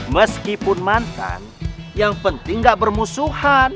meskipun mantan yang penting gak bermusuhan